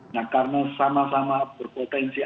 nah karena sama sama berpotensi